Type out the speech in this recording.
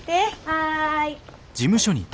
はい。